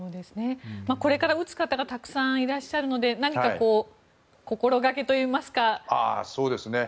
これから打つ方々がたくさんいらっしゃるので何か心掛けといいますかいかがでしょう。